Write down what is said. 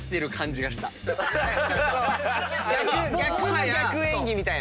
逆の逆演技みたいな。